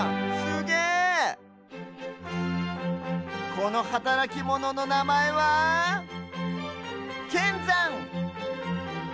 このはたらきモノのなまえはけんざん！